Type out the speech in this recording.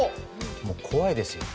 もう怖いです。